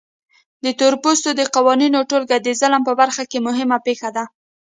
د تورپوستو د قوانینو ټولګه د ظلم په برخه کې مهمه پېښه ده.